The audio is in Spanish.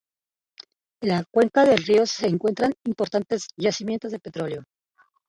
En la cuenca del río se encuentran importantes yacimientos de petróleo.